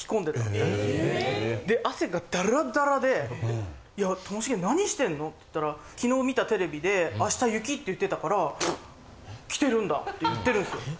で汗がダラダラで「ともしげ何してんの？」って言ったら「昨日観たテレビで明日雪って言ってたから着てるんだ」って言ってるんすよ。